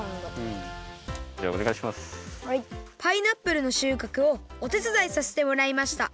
パイナップルのしゅうかくをおてつだいさせてもらいました